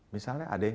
misalnya ada yang